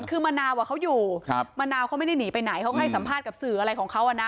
คือมะนาวเขาอยู่มะนาวเขาไม่ได้หนีไปไหนเขาก็ให้สัมภาษณ์กับสื่ออะไรของเขาอ่ะนะ